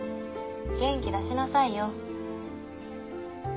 元気出しなさいよ。